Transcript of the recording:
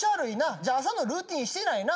じゃあ朝のルーティーンしてないな。